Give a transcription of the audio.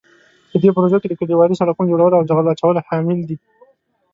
په دې پروژو کې د کلیوالي سړکونو جوړول او جغل اچول شامل دي.